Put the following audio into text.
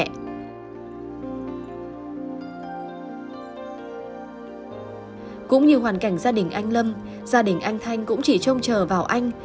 cũng như hoàn cảnh gia đình anh lâm gia đình anh thanh cũng chỉ trông chờ vào anh